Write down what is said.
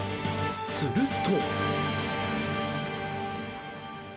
すると。